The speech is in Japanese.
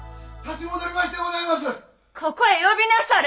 ここへ呼びなされ！